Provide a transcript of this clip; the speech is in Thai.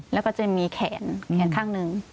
แล้วก็จะมีแขนแขนข้างหนึ่ง